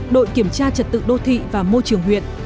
đội kiểm tra trật tự đô thị và môi trường huyện